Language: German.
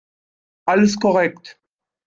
Alles korrekt.